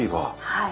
はい。